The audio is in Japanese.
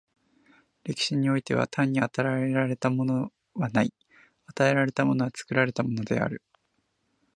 歴史においては、単に与えられたものはない、与えられたものは作られたものである。